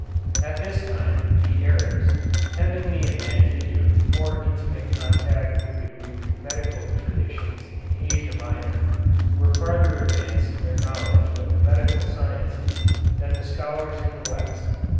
At this time the Arabs, having the advantage of more intimate contact with the Greek medical traditions in Asia Minor, were farther advanced in their knowledge of the medical sciences than the scholars in the West.